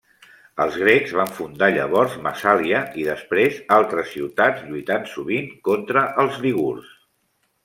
Els grecs van fundar llavors Massàlia i després altres ciutats lluitant sovint contra els lígurs.